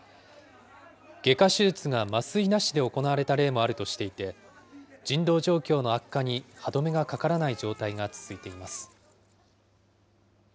外科手術が麻酔なしで行われた例もあるとして、人道状況の悪化に歯止めがかからない状態が続いています。